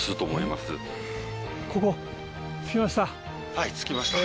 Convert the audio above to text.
はい着きました。